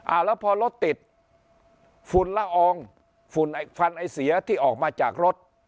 อ่าแล้วพอรถติดฝุ่นละอองฝุ่นไอ้ฟันไอเสียที่ออกมาจากรถ